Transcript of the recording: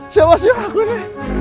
siapa siapa gue ini